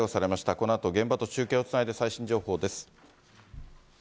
このあと、現場と中継をつないで最新情報です。